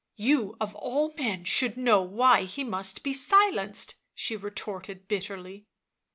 " You of all men should know why he must be silenced, 77 she retorted bitterly.